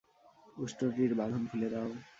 উষ্ট্রটির বাঁধন খুলে দাও।